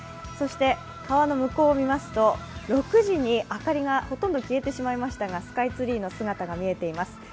そして川の向こうをみますと６時に明かりがほとんど消えてしまいましたがスカイツリーの姿が見えています。